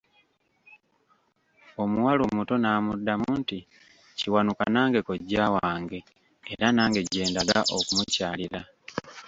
Omuwala omuto n'amuddamu nti, Kiwanuka nange kojja wange, era nange gye ndaga okumukyalira.